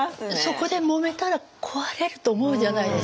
そこでもめたら壊れると思うじゃないですか。